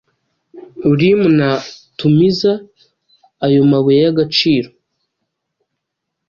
Urim ana Tumiza ayo mabuye yagaciro